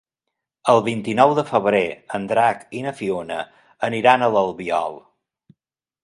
El vint-i-nou de febrer en Drac i na Fiona aniran a l'Albiol.